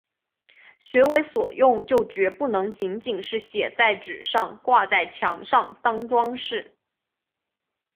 学为所用就决不能仅仅是写在纸上、挂在墙上当‘装饰’